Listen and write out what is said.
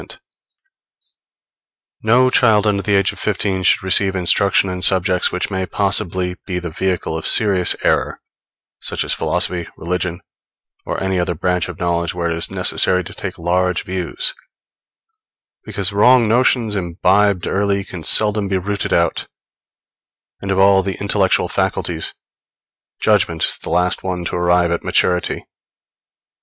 [Footnote 1: vi. 7.] No child under the age of fifteen should receive instruction in subjects which may possibly be the vehicle of serious error, such as philosophy, religion, or any other branch of knowledge where it is necessary to take large views; because wrong notions imbibed early can seldom be rooted out, and of all the intellectual faculties, judgment is the last to arrive at maturity.